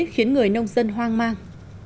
khiến người nông dân hoang mang